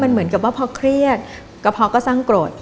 เหมือนกับว่าพอเครียดกระเพาะก็สร้างโกรธ